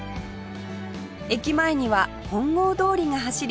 駅前には本郷通りが走り